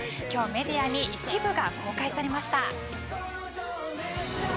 今日メディアに一部が公開されました。